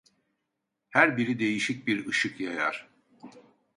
Her biri değişik bir ışık yayar.